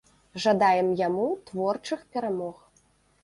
Жадаем яму творчых перамог.